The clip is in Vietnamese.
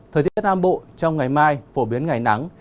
thời tiết nam bộ trong ngày mai phổ biến ngày nắng